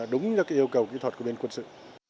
đúng cho cái yêu cầu kỹ thuật của bên quân sự